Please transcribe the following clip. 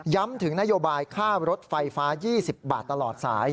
ถึงนโยบายค่ารถไฟฟ้า๒๐บาทตลอดสาย